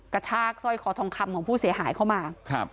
กระชากสร้อยคอทองคำของผู้เสียหายเข้ามาครับ